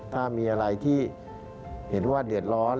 ถ้ามีอะไรที่เห็นว่าเดือดร้อน